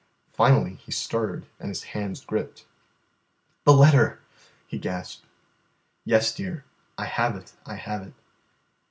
Finally he stirred and his hands gripped. "The letter!" he gasped. "Yes, dear, I have it; I have it."